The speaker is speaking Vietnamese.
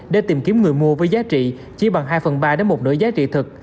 để tìm kiếm người mua với giá trị chỉ bằng hai phần ba đến một nửa giá trị thực